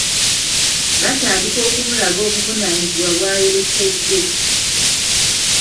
Batandika okumulaga obuvunaanyizibwa bwayolekede.